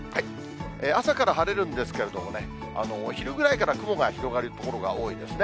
朝から晴れるんですけれども、お昼ぐらいから雲が広がる所が多いですね。